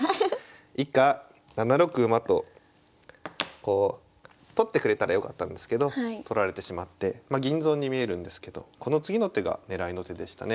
以下７六馬とこう取ってくれたらよかったんですけど取られてしまって銀損に見えるんですけどこの次の手が狙いの手でしたね。